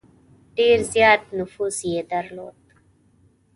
ډېر زیات نفوذ یې درلود.